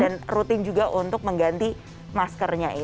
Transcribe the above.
dan rutin juga untuk mengganti maskernya itu